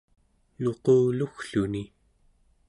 luquluggluni